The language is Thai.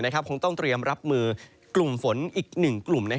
คงต้องเตรียมรับมือกลุ่มฝนอีก๑กลุ่ม